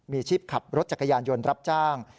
มีชีพขับรถจักรยานยนต์รับจ้าง